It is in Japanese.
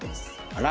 あら！